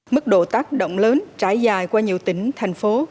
mức độ tác động lớn trải dài qua nhiều tỉnh thành phố